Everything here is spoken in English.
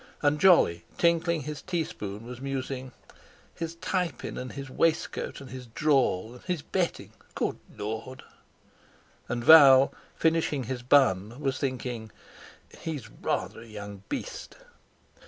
And Jolly, tinkling his teaspoon, was musing: "His tie pin and his waistcoat and his drawl and his betting—good Lord!" And Val, finishing his bun, was thinking: "He's rather a young beast!"